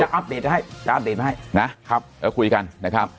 จะอัปเดตให้จะอัปเดตให้แล้วคุยกันนะครับ